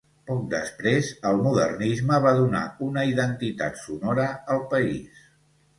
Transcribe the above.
Poc després, el modernisme va donar una identitat sonora al país.